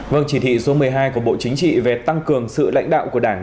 vâng chỉ thị số một mươi hai của bộ chính trị về tăng cường sự lãnh đạo của đảng